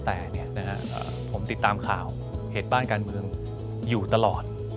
แต่ผมติดตามข่าวเหตุบ้านการเมืองอยู่ตลอด